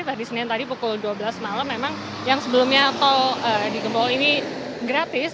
tadi senin tadi pukul dua belas malam memang yang sebelumnya tol di gempol ini gratis